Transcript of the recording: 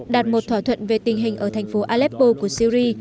đạt một thỏa thuận về tình hình ở thành phố aleppo của syri